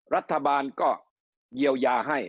รัฐบาลก็เยียวยาให้